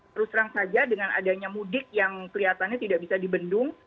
terus terang saja dengan adanya mudik yang kelihatannya tidak bisa dibendung